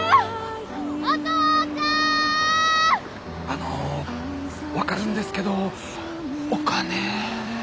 あの分かるんですけどお金。